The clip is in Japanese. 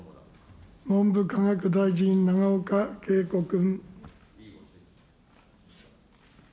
文部科学大臣、永岡桂子君。